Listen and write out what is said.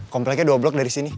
kompleknya dua blok dari sini